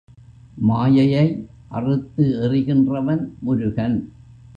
மாயையை அறுத்து எறிகின்றவன் முருகன்.